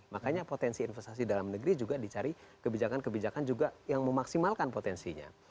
makanya potensi investasi dalam negeri juga dicari kebijakan kebijakan juga yang memaksimalkan potensinya